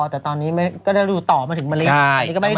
แต่ตอนนี้ก็ได้รู้ต่อมาถึงมนิโลกรัฐ